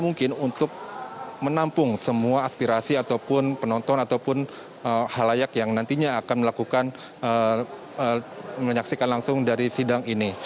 mungkin untuk menampung semua aspirasi ataupun penonton ataupun halayak yang nantinya akan melakukan menyaksikan langsung dari sidang ini